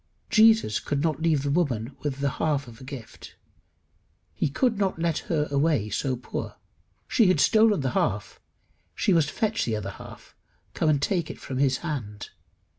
Jesus could not leave the woman with the half of a gift. He could not let her away so poor. She had stolen the half: she must fetch the other half come and take it from his hand.